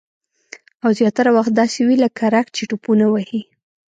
او زیاتره وخت داسې وي لکه رګ چې ټوپونه وهي